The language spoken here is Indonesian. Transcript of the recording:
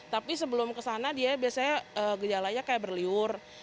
tapi sebelum kesana dia biasanya gejalanya kayak berlibur